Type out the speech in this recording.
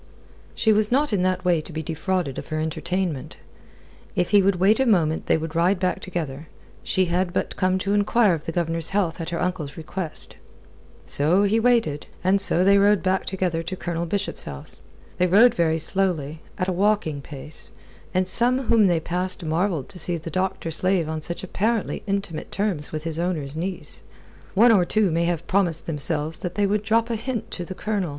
She was not in that way to be defrauded of her entertainment. If he would wait a moment they would ride back together. She had but come to enquire of the Governor's health at her uncle's request. So he waited, and so they rode back together to Colonel Bishop's house. They rode very slowly, at a walking pace, and some whom they passed marvelled to see the doctor slave on such apparently intimate terms with his owner's niece. One or two may have promised themselves that they would drop a hint to the Colonel.